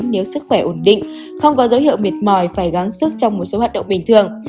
nếu sức khỏe ổn định không có dấu hiệu mệt mỏi phải gắn sức trong một số hoạt động bình thường